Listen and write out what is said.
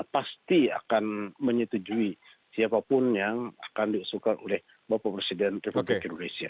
pasti akan menyetujui siapapun yang akan diusulkan oleh bapak presiden republik indonesia